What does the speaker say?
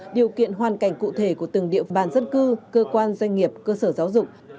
điều kiện hoàn cảnh cụ thể của từng địa bàn dân cư cơ quan doanh nghiệp cơ sở giáo dục